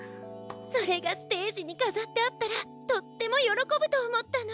それがステージにかざってあったらとってもよろこぶとおもったの。